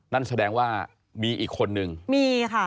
นั่นแสดงว่ามีอีกคนนึงมีค่ะ